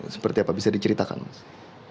seperti apa bisa diceritakan mas